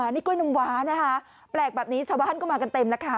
นี่กล้วยนมว้านะคะแปลกแบบนี้ชาวบ้านก็มากันเต็มแล้วค่ะ